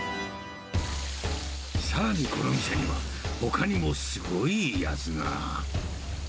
さらに、この店にはほかにもすごいやつが。